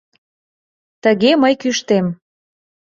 Тыге мый кӱштем.